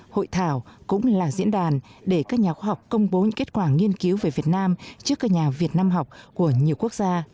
hội thảo cũng là diễn đàn để các nhà khoa học công bố những kết quả nghiên cứu về việt nam trước các nhà việt nam học của nhiều quốc gia